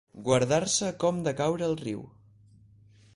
Guardar-se com de caure al riu.